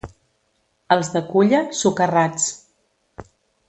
Els de Culla, socarrats.